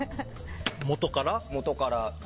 元から。